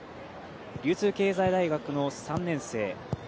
流通経済大学の３年生。